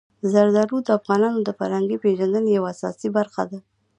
زردالو د افغانانو د فرهنګي پیژندنې یوه اساسي برخه ده.